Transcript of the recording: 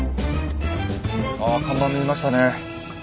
あ看板見えましたね。